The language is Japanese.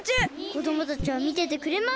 こどもたちはみててくれます！